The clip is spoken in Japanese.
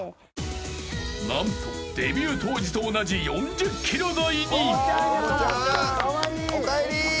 ［何とデビュー当時と同じ４０ｋｇ台に］